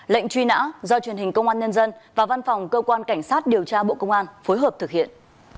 lệnh truy nã do truyền hình công an nhân dân và văn phòng cơ quan cảnh sát điều tra bộ công an phối hợp thực hiện